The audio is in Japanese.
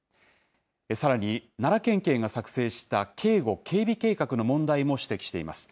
さらに、奈良県警が作成した警護・警備計画の問題も指摘しています。